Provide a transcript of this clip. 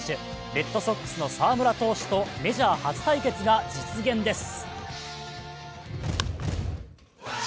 レッドソックスの澤村投手とメジャー初対決が実現です。